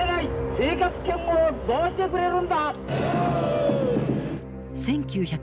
生活圏をどうしてくれるんだ！